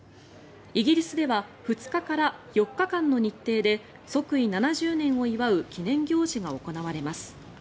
イギリスでは２日から４日間の日程で即位７０年を祝う記念行事が行われます。